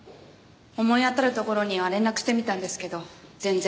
思い当たるところには連絡してみたんですけど全然。